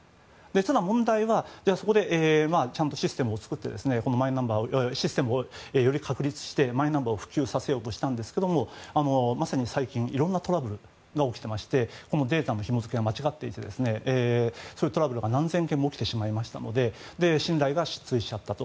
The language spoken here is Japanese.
ただ、問題は、そこでちゃんとシステムをより確立してマイナンバーを普及させようとしたんですけどもまさに最近いろんなトラブルが起きていましてデータのひも付けが間違っていてそういうトラブルが何千件も起きてしまいましたので信頼が失墜しちゃったと。